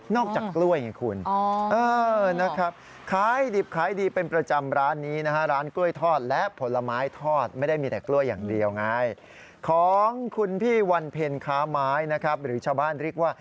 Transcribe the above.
นอกจากกล้วยไงคุณ